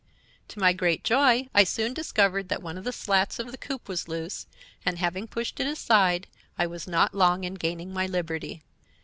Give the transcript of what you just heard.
To my great joy I soon discovered that one of the slats of the coop was loose, and, having pushed it aside, I was not long in gaining my liberty.